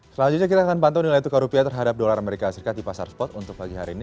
selanjutnya kita akan pantau nilai tukar rupiah terhadap dolar amerika serikat di pasar spot untuk pagi hari ini